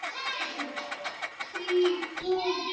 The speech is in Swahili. wenzake kutoka Brazil Swansea Oxford na Cambridge